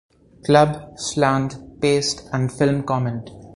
Club", "Slant", "Paste", and "Film Comment".